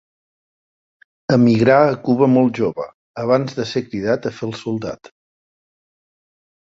Emigrà a Cuba molt jove, abans de ser cridat a fer el soldat.